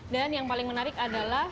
dan yang paling menarik adalah